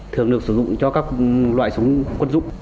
thường được sử dụng cho các loại súng quân dụng